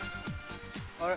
あれ？